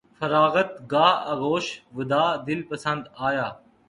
فراغت گاہ آغوش وداع دل پسند آیا